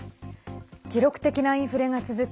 記録的なインフレが続く